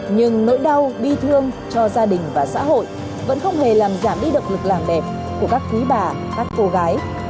nhưng nỗi đau bi thương cho gia đình và xã hội vẫn không hề làm giảm đi động lực làm đẹp của các quý bà các cô gái